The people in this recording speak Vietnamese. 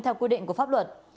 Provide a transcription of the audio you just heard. theo quy định của pháp luật